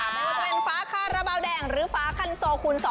หรือเป็นฝาคาระเบาแดงหรือฝาคันโซคูณ๒